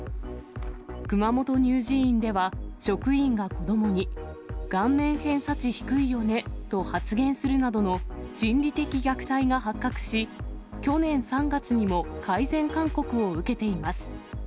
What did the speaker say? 熊本乳児院では職員が子どもに顔面偏差値低いよねと発言するなどの心理的虐待が発覚し、去年３月にも改善勧告を受けています。